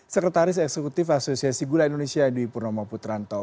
sekretaris eksekutif asosiasi gula indonesia dwi purnomo putranto